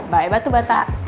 bye batu batak